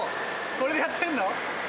これでやってんの？